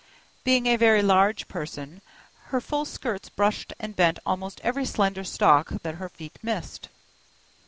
Being a very large person, her full skirts brushed and bent almost every slender stalk that her feet missed.